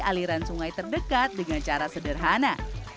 aliran sungai terdekat dengan cara sederhana